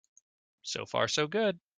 So far so good.